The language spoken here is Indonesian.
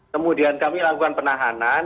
kemudian kami lakukan penahanan